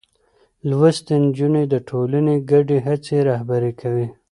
لوستې نجونې د ټولنې ګډې هڅې رهبري کوي.